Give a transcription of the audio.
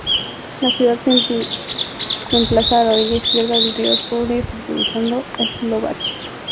La ciudad se emplaza a la orilla izquierda del río Ipoly, fronteriza con Eslovaquia.